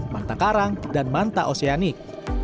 manta karang dan manta oseanik